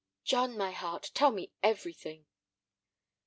"John, my heart, tell me everything."